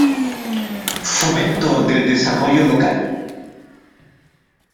Fomento del desarrollo local.